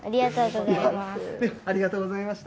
ありがとうございます。